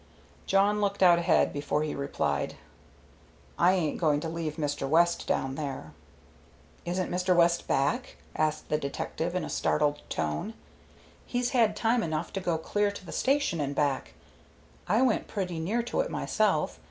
Jawn looked out ahead before he replied, "I ain't going to leave Mr. West down there." "Isn't Mr. West back?" asked the detective, in a startled tone. "He's had time enough to go clear to the station and back. I went pretty near to it myself.